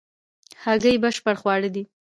هګۍ بشپړ خواړه دي